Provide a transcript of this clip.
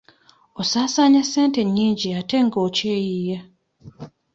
Osaasaanya ssente nnyingi ate nga okyeyiiya.